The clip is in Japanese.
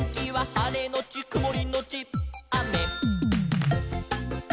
「はれのちくもりのちあめ」